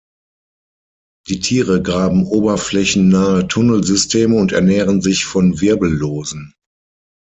Die Tiere graben oberflächennahe Tunnelsysteme und ernähren sich von Wirbellosen.